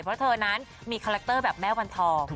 เพราะเธอนั้นมีคาแรคเตอร์แบบแม่วันทอง